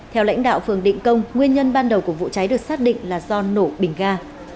theo lãnh đạo phường định công nguyên nhân ban đầu của vụ cháy được xác định là do nổ bình ga